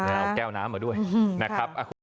เอาแก้วน้ำมาด้วยนะครับ